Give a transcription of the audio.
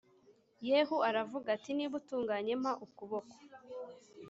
Yehu aravuga ati niba utunganye mpa ukuboko